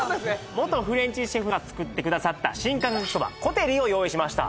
元フレンチシェフが作ってくださった新感覚そばコテリを用意しました